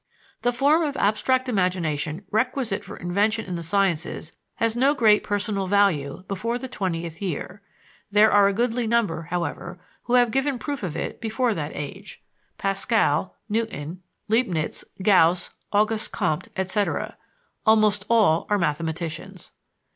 The form of abstract imagination requisite for invention in the sciences has no great personal value before the twentieth year: there are a goodly number, however, who have given proof of it before that age Pascal, Newton, Leibniz, Gauss, Auguste Comte, etc. Almost all are mathematicians.